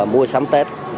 mùa sắm tết